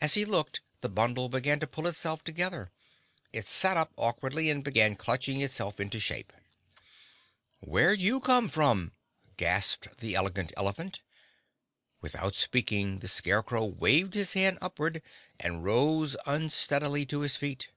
As he looked the bundle began to pull itself together. It sat up awkwardly and began clutching itself into shape. "Where'd you come from?" gasped the Elegant Elephant. Without speaking, the Scarecrow waved his hand upward and rose unsteadily to his feet.